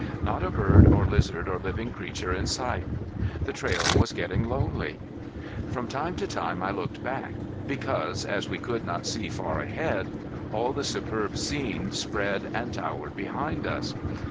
Not a bird or lizard or living creature in sight! The trail was getting lonely. From time to time I looked back, because as we could not see far ahead all the superb scene spread and towered behind us.